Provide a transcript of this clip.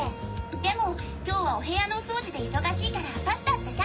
でも今日はお部屋のお掃除で忙しいからパスだってさ。